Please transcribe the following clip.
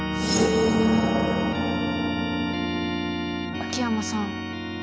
秋山さん。